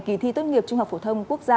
kỳ thi tốt nghiệp trung học phổ thông quốc gia